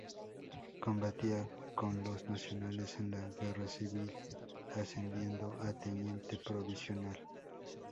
Combatió con los Nacionales en la Guerra Civil, ascendiendo a teniente provisional.